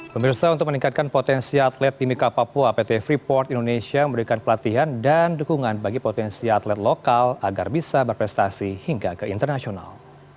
pemirsa untuk meningkatkan potensi atlet timika papua pt freeport indonesia memberikan pelatihan dan dukungan bagi potensi atlet lokal agar bisa berprestasi hingga ke internasional